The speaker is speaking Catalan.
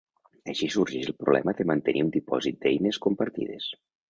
Així sorgeix el problema de mantenir un dipòsit d'eines compartides.